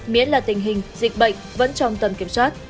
miễn là tình hình dịch bệnh vẫn trong tầm kiểm soát